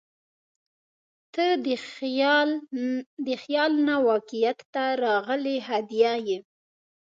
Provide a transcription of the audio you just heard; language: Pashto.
• ته د خیال نه واقعیت ته راغلې هدیه یې.